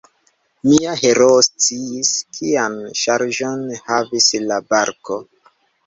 Mia heroo sciis, kian ŝarĝon havis la barko.